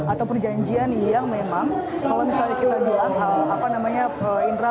atau perjanjian yang memang kalau misalnya kita bilang apa namanya indra